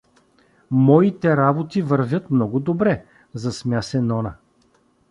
Моите работи вървят много добре — засмя се Нона.